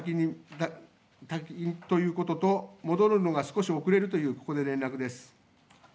今カシュニの滝ということと、戻るのが少し遅れるというここで連絡です。